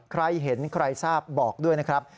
ใครเห็นใครทราบบอกด้วยนะครับ